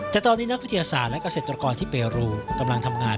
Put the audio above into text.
แต่ตอนนี้นักวิทยาศาสตร์และเกษตรกรที่เปรูกำลังทำงาน